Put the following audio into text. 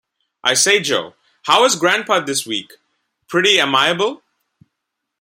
I say, Jo, how is grandpa this week; pretty amiable?